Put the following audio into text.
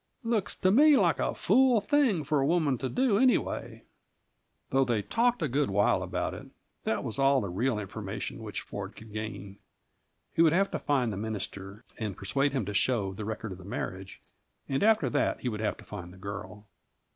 Looks to me like a fool thing for a woman to do, anyway." Though they talked a good while about it, that was all the real information which Ford could gain. He would have to find the minister and persuade him to show the record of the marriage, and after that he would have to find the girl.